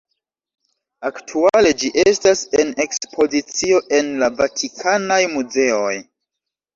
Aktuale ĝi estas en ekspozicio en la Vatikanaj muzeoj.